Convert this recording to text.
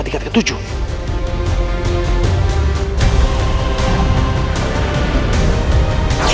aku akan menangkapmu